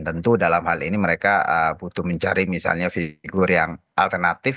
tentu dalam hal ini mereka butuh mencari misalnya figur yang alternatif